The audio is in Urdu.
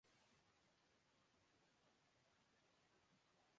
پی ائی اے کی نجکاری قوانین کے مطابق کی جائے گی دانیال عزیز